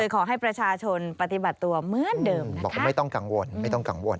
ของฉันเอาออกไป